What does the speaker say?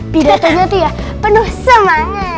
pidatanya itu ya penuh semangat